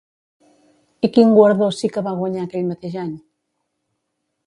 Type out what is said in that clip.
I quin guardó sí que va guanyar aquell mateix any?